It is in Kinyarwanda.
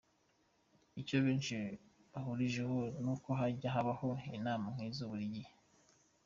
Icyo benshi bahurijeho , nuko hajya habaho inama nk’izo buri gihe, .